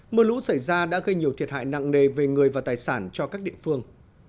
mưa lũ xảy ra đã gây nhiều thiệt hại nặng nề về người và tài sản cho các địa phương